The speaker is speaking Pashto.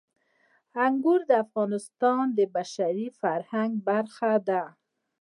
انګور د افغانستان د بشري فرهنګ برخه ده.